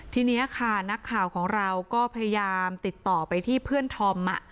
ทีนี้ค่ะนักข่าวของเราก็พยายามติดต่อไปที่เพื่อนธอม